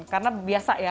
karena biasa ya